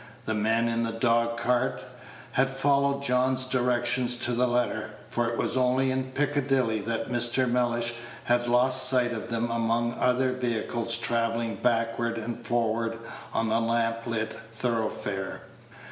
The men in the dog cart had followed John's directions to the letter, for it was only in Piccadilly that Mr. Mellish had lost sight of them among other vehicles travelling backward and forward on the lamplit thoroughfare.